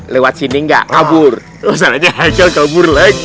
lewat sini nggak kabur selesai aja hai kal kabur lagi